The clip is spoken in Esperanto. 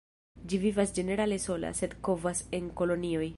Ĝi vivas ĝenerale sola, sed kovas en kolonioj.